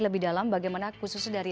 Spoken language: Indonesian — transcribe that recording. lebih dalam bagaimana khususnya dari